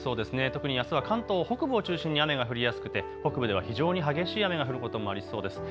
特にあすは関東北部を中心に雨が降りやすくて北部では非常に激しい雨が降ることもありそうです。